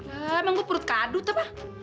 emang gua perut kadut apa